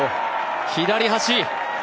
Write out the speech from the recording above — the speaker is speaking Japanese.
左端！